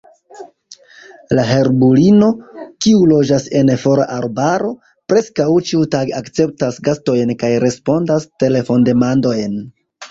La herbulino, kiu loĝas en fora arbaro, preskaŭ ĉiutage akceptas gastojn kaj respondas telefondemandojn.